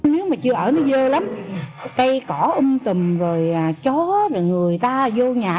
nếu mà chưa ở nó dơ lắm cây cỏ um tùm rồi chó rồi người ta vô nhà